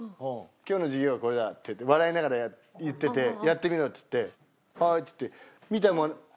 「今日の授業はこれだ」って笑いながら言ってて「やってみろ」って言って「はーい」っつって。